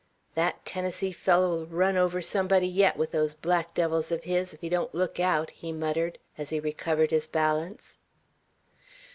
"That Tennessee fellow'll run over somebody yet, with those black devils of his, if he don't look out," he muttered, as he recovered his balance.